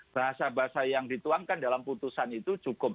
bahasa bahasa yang dituangkan dalam putusan itu cukup